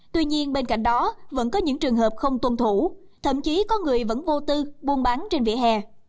tuy nhiên bên cạnh đó vẫn có những trường hợp không tuân thủ thậm chí có người vẫn vô tư buôn bán trên vỉa hè